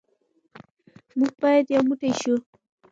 موږ باید یو موټی شو.